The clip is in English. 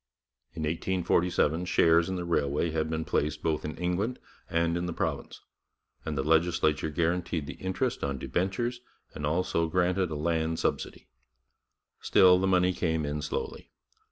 In 1847 shares in the railway had been placed both in England and in the province, and the legislature guaranteed the interest on debentures and also granted a land subsidy. Still, the money came in slowly.